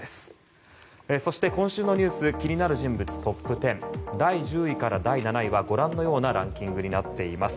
そして今週の気になる人物トップ１０第１０位から第７位はご覧のようなランキングになっています。